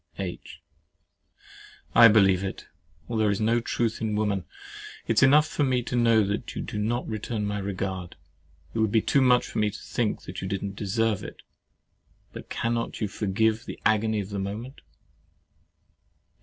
H. I believe it; or there is no truth in woman. It is enough for me to know that you do not return my regard; it would be too much for me to think that you did not deserve it. But cannot you forgive the agony of the moment?